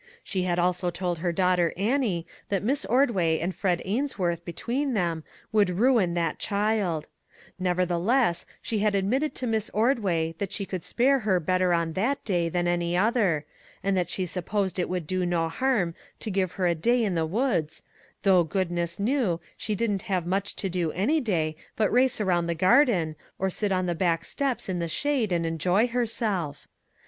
She had also told her daughter Annie that Miss Ordway and Fred Ainsworth between them would ruin that child; nevertheless, she had admitted to Miss Ordway that she could spare her better on that day than any other, and that she supposed it would do no harm to give her a day in the woods, though, goodness knew, she didn't have much to do any day but race around the garden, or sit on the back steps in the shade and enjoy herself!